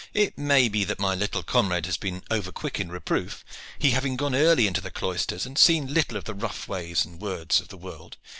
It may be that my little comrade has been over quick in reproof, he having gone early into the cloisters and seen little of the rough ways and words of the world.